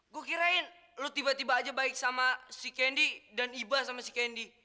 gue kirain lu tiba tiba aja baik sama si kendi dan iba sama si kendi